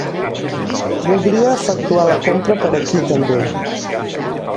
Voldria efectuar la compra per aquí també.